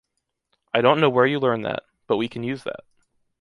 I don’t know where you learned that, but we can use that.